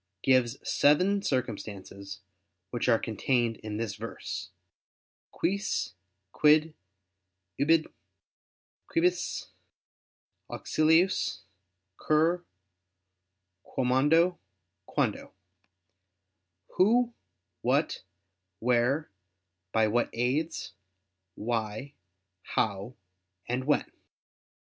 i), gives seven circumstances, which are contained in this verse: "Quis, quid, ubi, quibus auxiliis, cur, quomodo, quando "Who, what, where, by what aids, why, how, and when."